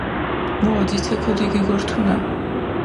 მუ ოძიცე ქუდი გიგორთუნა.